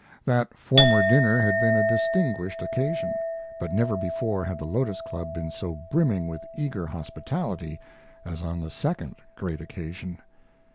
That former dinner had been a distinguished occasion, but never before had the Lotos Club been so brimming with eager hospitality as on the second great occasion.